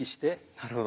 なるほど。